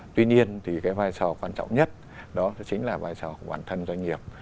tuy nhiên thì cái vai trò quan trọng nhất đó chính là vai trò của các doanh nghiệp